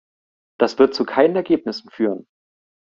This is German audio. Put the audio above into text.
Das wird zu keinen Ergebnissen führen.